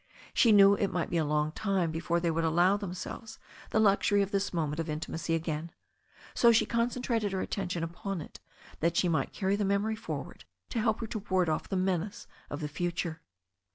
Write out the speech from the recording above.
She knew it might be a long while before they would allow themselves the luxury of this amount of in timacy again, so she concentrated her attention upon it that she might carry the memory forward to help her to ward off the menace of the future.